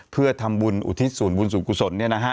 เพื่อทำบุญอุทิศศูนย์บุญสูงกุศล